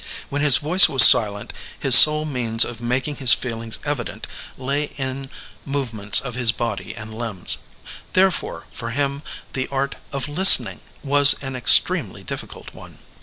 When his voice was silent his sole means of making his feelings evident lay in movements of his body and limbs ; therefore, for him the art of "listening^* was an extremely difficult one.